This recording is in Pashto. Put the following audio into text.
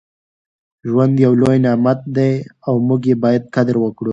ژوند یو لوی نعمت دی او موږ یې باید قدر وکړو.